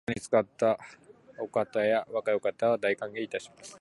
ことに肥ったお方や若いお方は、大歓迎いたします